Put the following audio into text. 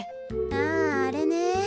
ああれね。